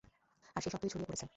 আর সেই শব্দই ছড়িয়ে পড়েছে।